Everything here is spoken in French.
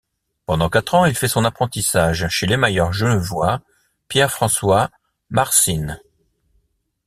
Pendant quatre ans il fait son apprentissage chez l’émailleur genevois Pierre-François Marcinhes.